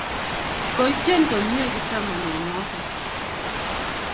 Kotyen komnye kipsomaniat notok